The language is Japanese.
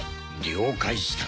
了解した。